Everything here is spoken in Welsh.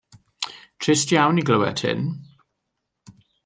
Trist iawn i glywed hyn.